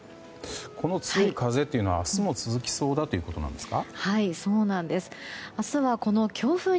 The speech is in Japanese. この強い風というのは明日も続きそうだということですか？